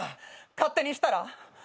勝手にしたら？